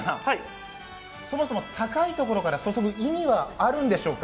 そもそも高いところから注ぐ意味はあるんでしょうか？